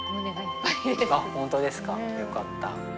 あっ本当ですかよかった。